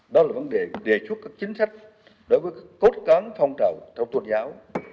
đó là vấn đề đề chúc các chính sách đối với cốt cắn phong trào trong tôn giáo